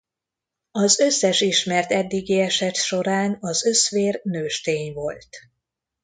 Az összes ismert eddigi eset során az öszvér nőstény volt.